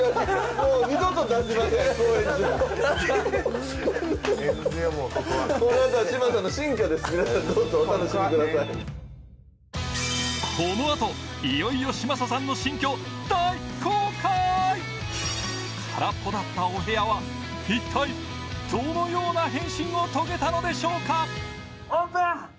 もうここはいよいよ空っぽだったお部屋は一体どのような変身を遂げたのでしょうか？